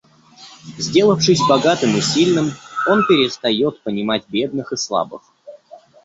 Сделавшись богатым и сильным, он перестает понимать бедных и слабых.